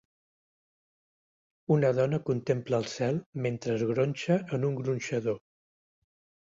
Una dona contempla el cel mentre es gronxa en un gronxador.